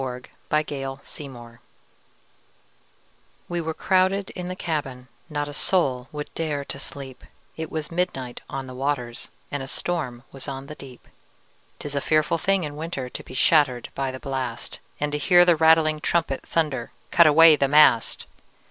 Y Z Ballad of the Tempest WE were crowded in the cabin, Not a soul would dare to sleep, It was midnight on the waters, And a storm was on the deep. 'Tis a fearful thing in winter To be shattered by the blast, And to hear the rattling trumpet Thunder, "Cut away the mast!"